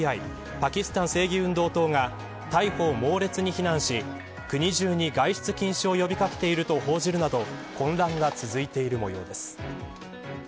パキスタン正義運動党が逮捕を猛烈に非難し国中に外出禁止を呼び掛けていると報じるなど混乱が続いているもようです。